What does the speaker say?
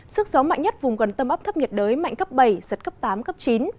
sức gió mạnh nhất vùng gần tâm áp thấp nhiệt đới mạnh cấp bảy giật cấp tám cấp chín